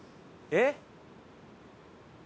えっ！？